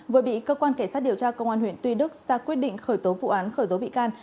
vừa bị cơ quan cảnh sát điều tra công an huyện tuy đức ra quyết định khởi tố vụ án khởi tố bị can